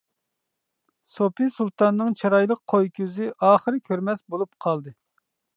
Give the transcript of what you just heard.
سوپى سۇلتاننىڭ چىرايلىق قوي كۆزى ئاخىر كۆرمەس بولۇپ قالدى.